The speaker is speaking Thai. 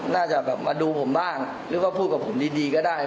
น่าจะแบบมาดูผมบ้างหรือว่าพูดกับผมดีก็ได้